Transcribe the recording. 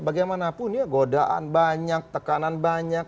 bagaimanapun ya godaan banyak tekanan banyak